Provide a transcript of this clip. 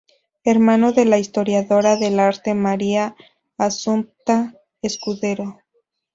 Hermano de la historiadora del arte Maria Assumpta Escudero.